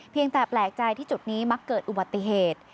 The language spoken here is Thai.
แปลกใจที่จุดนี้มักเกิดอุบัติเหตุ